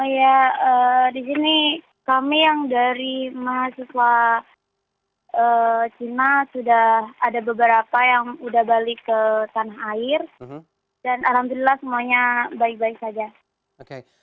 ya di sini kami yang dari mahasiswa cina sudah ada beberapa yang sudah balik ke tanah air